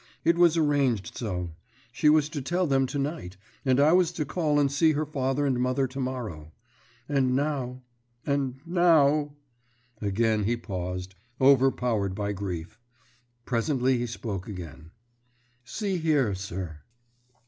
It was arranged so. She was to tell them to night, and I was to call and see her father and mother to morrow. And now and now " Again he paused, overpowered by grief. Presently he spoke again. "See here, sir."